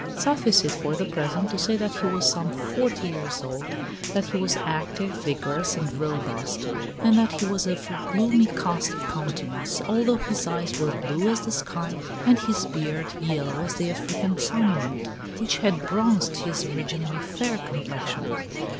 Suffice it for the present to say that he was some forty years old, that he was active, vigorous, and robust, and that he was of a gloomy cast of countenance, although his eyes were blue as the sky, and his beard yellow as the African sunlight, which had bronzed his originally fair complexion.